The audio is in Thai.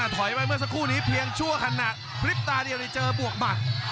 ถอยไปเมื่อสักครู่นี้เพียงชั่วขณะพริบตาเดียวเจอบวกหมัด